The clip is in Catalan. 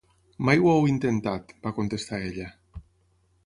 "Mai ho heu intentat", va contestar ella.